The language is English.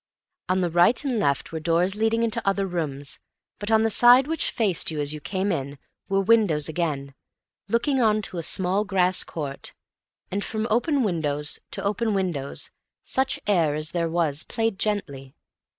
On the right and left were doors leading into other living rooms, but on the side which faced you as you came in were windows again, looking on to a small grass court, and from open windows to open windows such air as there was played gently.